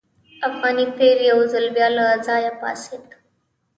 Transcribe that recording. افغاني پیر یو ځل بیا له ځایه پاڅېد.